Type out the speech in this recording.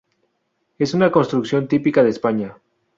Es una construcción típica de España.